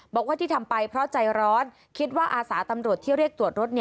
บอกว่าที่ทำไปเพราะใจร้อนคิดว่าอาสาตำรวจที่เรียกตรวจรถ